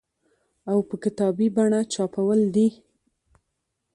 او په کتابي بڼه چاپول دي